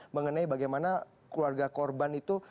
mengenai bagaimana keluarga korban itu